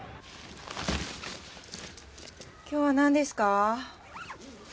今日はなんですか？